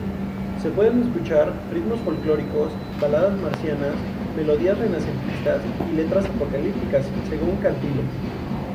Se pueden escuchar "ritmos folklóricos, baladas marcianas, melodías renacentistas y letras apocalípticas" según Cantilo.